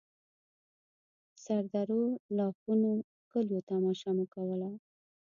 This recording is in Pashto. سردرو، لاښونو، کليو تماشه مو کوله.